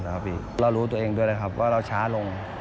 เรารู้ตัวเองด้วยนะครับเพราะเราช้าลง